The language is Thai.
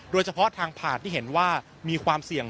โดยเฉพาะทางผ่านที่เห็นว่ามีความเสี่ยง